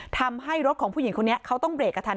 ทำให้รถของผู้หญิงคนนี้เขาต้องเรกกระทัน